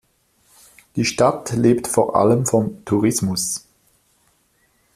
Die Stadt lebt vor allem vom Tourismus.